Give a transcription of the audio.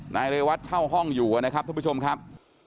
นายเรวัตเช่าห้องอยู่นะครับท่านผู้ชมครับ